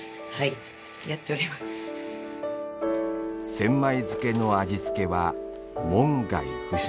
千枚漬の味付けは、門外不出。